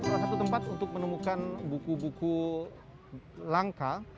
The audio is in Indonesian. salah satu tempat untuk menemukan buku buku langka